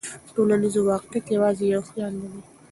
ټولنیز واقعیت یوازې یو خیال نه دی.